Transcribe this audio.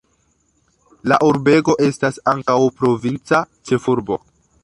La urbego estas ankaŭ provinca ĉefurbo.